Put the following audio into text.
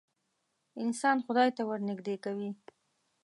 انسان خدای ته ورنیږدې کوې.